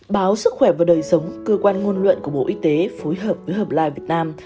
báo sức khỏe và đời sống cơ quan ngôn luận của bộ y tế phối hợp với hợp lai việt nam